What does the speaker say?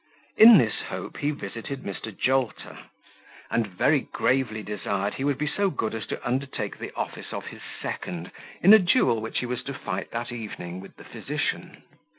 In this hope he visited Mr. Jolter, and very gravely desired he would be so good as to undertake the office of his second in a duel which he was to fight that evening with the physician.